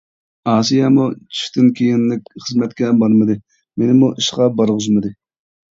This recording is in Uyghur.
ئاسىيەمۇ چۈشتىن كېيىنلىك خىزمەتكە بارمىدى، مېنىمۇ ئىشقا بارغۇزمىدى.